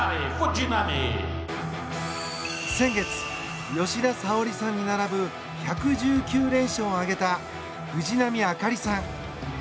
先月、吉田沙保里さんに並ぶ１１９連勝を挙げた藤波朱理さん。